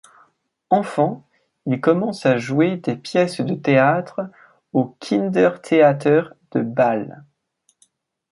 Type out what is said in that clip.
Enfant, il commence à jouer des pièces de théâtre au Kindertheater de Bâle.